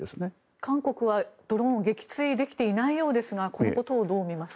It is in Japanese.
韓国はドローンを撃墜できていないようですがこのことをどう見ますか？